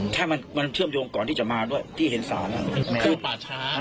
ถ้ามันเชื่อมโยงก่อนที่จะมาด้วยที่เห็นศาลคือป่าช้า